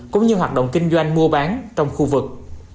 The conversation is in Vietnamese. cũng như hoạt động kinh doanh mua bán trong khu vực